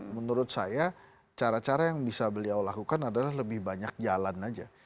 menurut saya cara cara yang bisa beliau lakukan adalah lebih banyak jalan aja